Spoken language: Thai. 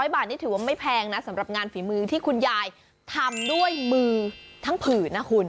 ๐บาทนี่ถือว่าไม่แพงนะสำหรับงานฝีมือที่คุณยายทำด้วยมือทั้งผื่นนะคุณ